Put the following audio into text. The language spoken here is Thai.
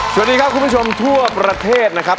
สวัสดีครับคุณผู้ชมทั่วประเทศนะครับ